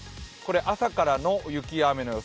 朝からの雪や雨の予想